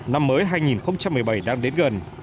năm mới hai nghìn một mươi bảy đang đến gần